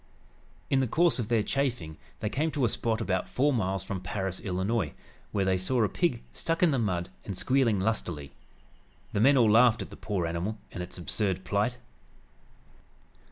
In the course of their "chaffing" they came to a spot about four miles from Paris, Illinois, where they saw a pig stuck in the mud and squealing lustily. The men all laughed at the poor animal and its absurd plight.